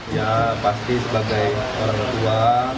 ya pasti sebagai orang tua